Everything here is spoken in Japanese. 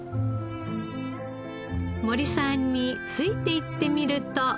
森さんについていってみると。